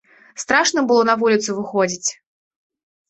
Страшна было на вуліцу выходзіць.